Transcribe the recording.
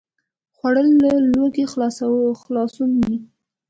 خوړل له لوږې خلاصون وي